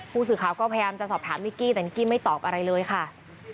ผู้สื่อข่าวก็พยายามจะสอบถามนิกกี้แต่นิกกี้ไม่ตอบอะไรเลยค่ะ